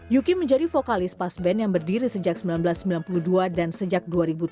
yuki menjadi vokalis pasben yang berdiri sejak seribu sembilan ratus sembilan puluh dua dan sejak dua ribu tujuh